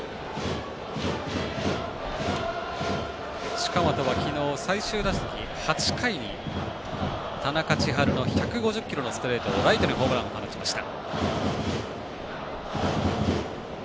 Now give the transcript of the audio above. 近本は、昨日最終打席８回に田中千晴の１５０キロのストレートをライトにホームランを放ちました。